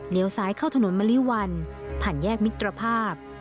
เลี้ยวซ้ายเข้าถนนมริวัลผ่านแยกมิตรภาพ